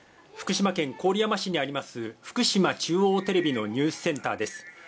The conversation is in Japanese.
福島県郡山市にあります、福島中央テレビのニュースセンターです。